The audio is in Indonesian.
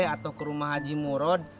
atau ke rumah haji murod